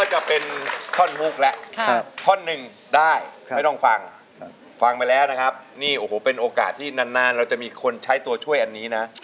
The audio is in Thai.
ใจดำดำดำปล่อยพงชำคุณเชื่อหัวใจ